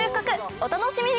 お楽しみに！